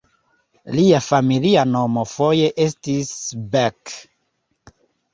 Lia familia nomo foje estis "Beck".